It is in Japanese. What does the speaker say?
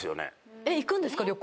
えっ行くんですか⁉旅行。